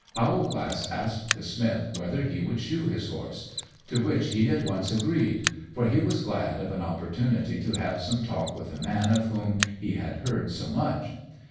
Owlglass asked the Smith whether he would shoe his horse; to which he at once agreed, for he was glad of an opportunity to have some talk with a man of whom he had heard so much.